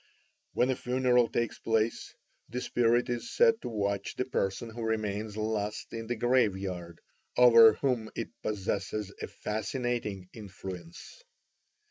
"When a funeral takes place, the spirit is said to watch the person who remains last in the graveyard, over whom it possesses a fascinating influence.